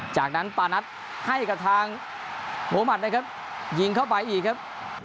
จากนั้นปานัทให้กับทางโมมัตินะครับยิงเข้าไปอีกครับ